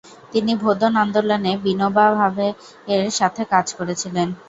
তিনি ভোদন আন্দোলনে বিনোবা ভাভেয়ের সাথে কাজ করেছিলেন।